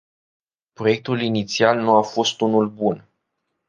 Proiectul inițial nu a fost unul bun.